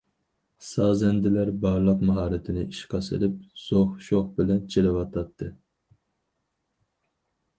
سازەندىلەر بارلىق ماھارىتىنى ئىشقا سېلىپ زوق- شوخ بىلەن چېلىۋاتاتتى.